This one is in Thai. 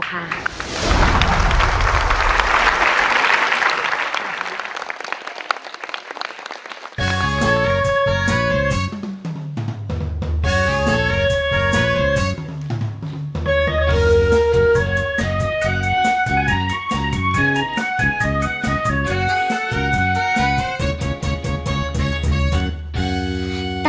เพลงเก่งของคุณครับ